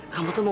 ya aku juga